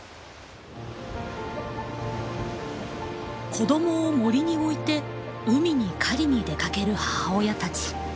子どもを森に置いて海に狩りに出かける母親たち。